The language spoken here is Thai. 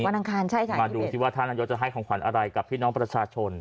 อังคารใช่ค่ะมาดูซิว่าท่านนายกจะให้ของขวัญอะไรกับพี่น้องประชาชน